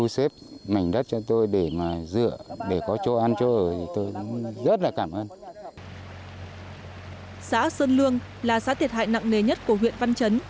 xã sơn lương là xã thiệt hại nặng nề nhất của huyện văn chấn